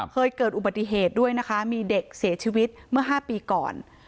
เคยเกิดอุบัติเหตุด้วยนะคะมีเด็กเสียชีวิตเมื่อ๕ปีก่อน